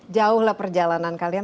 jauh lah perjalanan kalian